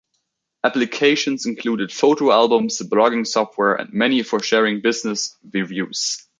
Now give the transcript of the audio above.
Applications included photo albums, blogging software, and many for sharing business reviews.